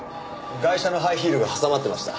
ガイシャのハイヒールが挟まってました。